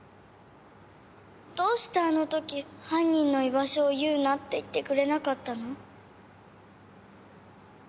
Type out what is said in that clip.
どうしてあの時犯人の居場所を言うなって言ってくれなかったの？